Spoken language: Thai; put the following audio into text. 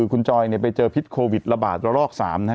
คุณจอยไปเจอพิษโควิดระบาดระลอก๓นะฮะ